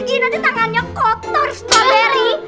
ini nanti tangannya kotor strawberry